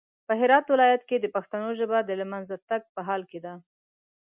په هرات ولايت کې د پښتنو ژبه د لمېنځه تګ په حال کې ده